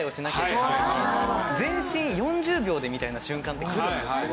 全身４０秒でみたいな瞬間ってくるんですけど。